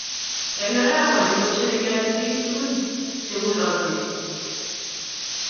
Eng arawani kosherekeani biik tugun che ng'ulotei.